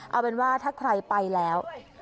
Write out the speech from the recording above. เอาเป็นว่าถ้าใครไปแล้ว